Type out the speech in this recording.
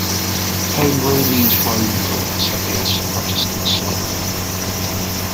"Home Rule means Rome Rule" said the Ulster Protestant slogan.